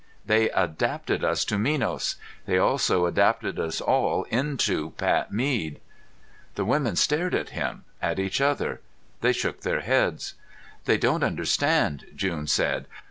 They adapted us to Minos. They also changed us all into Pat Mead." The women stared at him, at each other. They shook their heads. "They don't understand," June said.